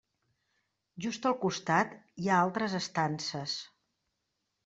Just al costat hi ha altres estances.